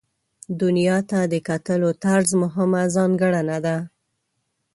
دنیا ته د کتلو طرز مهمه ځانګړنه ده.